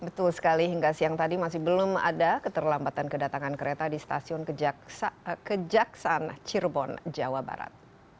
betul sekali hingga siang tadi masih belum ada keterlambatan kedatangan kereta di stasiun kejaksaan cirebon jawa barat